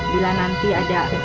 bila nanti ada